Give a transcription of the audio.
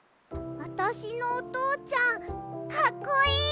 あたしのおとうちゃんかっこいい？